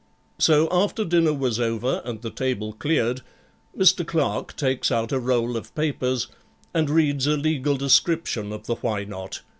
So after dinner was over and the table cleared, Mr. Clerk takes out a roll of papers and reads a legal description of the Why Not?